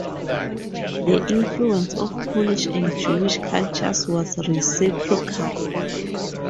The influence of Polish and Jewish cultures was reciprocal.